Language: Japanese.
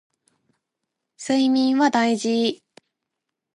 睡眠は大事